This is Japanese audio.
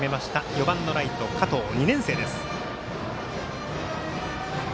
４番のライト加藤、２年生です。